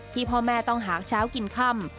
พ่อแม่ต้องหาเช้ากินค่ำ